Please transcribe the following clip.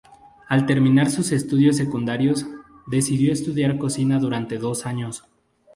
Al terminar sus estudios secundarios, decidió estudiar cocina durante dos años.